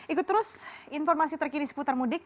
ikut terus informasi terkini seputar mudik